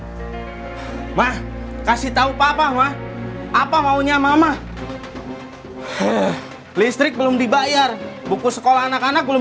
mah kasih tahu papa mah apa maunya mama listrik belum dibayar buku sekolah anak anak belum